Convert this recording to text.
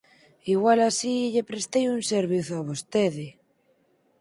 Igual así lle prestei un servizo a vostede…